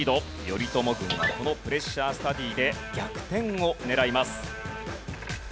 頼朝軍はこのプレッシャースタディで逆転を狙います。